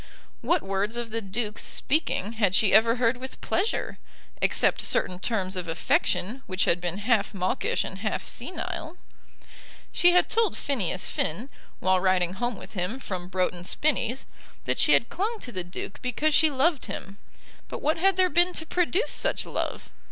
What words of the Duke's speaking had she ever heard with pleasure, except certain terms of affection which had been half mawkish and half senile? She had told Phineas Finn, while riding home with him from Broughton Spinnies, that she had clung to the Duke because she loved him, but what had there been to produce such love?